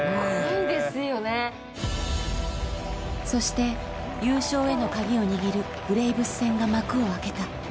そして優勝への鍵を握るブレーブス戦が幕を開けた。